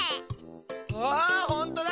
あほんとだ！